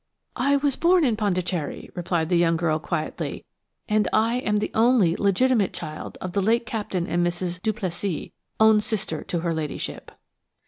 "I was born in Pondicherry," replied the young girl, quietly, "and I am the only legitimate child of the late Captain and Mrs. Duplessis, own sister to her ladyship."